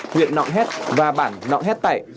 huyện nọng hét và bản nọng hét tẩy